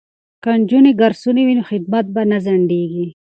که نجونې ګارسونې وي نو خدمت به نه ځنډیږي.